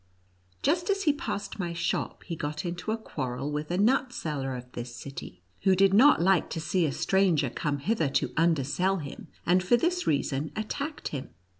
Just as he passed my shop, he got into a quarrel with a nut seller of this city, who did not like to see a stranger come hither to undersell him, and for this reason attacked him.